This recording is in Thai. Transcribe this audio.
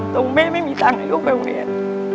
ตรงแม่ไม่มีตังค์ให้ลูกไปโรงเรียน